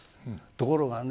ところがね